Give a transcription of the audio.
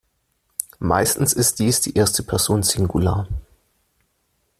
Meistens ist dies die erste Person Singular.